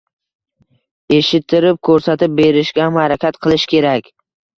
Eshittirib, ko‘rsatib berishga ham harakat qilish kerak.